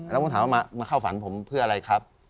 แล้วผมถามว่ามาเข้าฝันผมเพื่ออะไรครับ